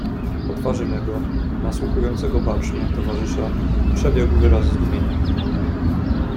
"Po twarzy mego, nasłuchującego bacznie, towarzysza, przebiegł wyraz zdumienia."